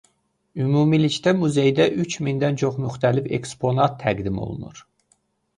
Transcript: Ümumilikdə muzeydə üç mindən çox müxtəlif eksponat təqdim olunur.